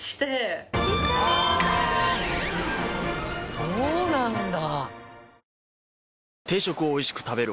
そうなんだ！